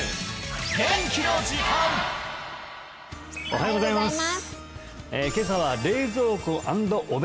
おはようございます